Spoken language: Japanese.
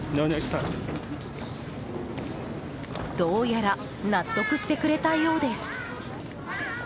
どうやら納得してくれたようです。